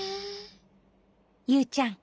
ユウちゃん。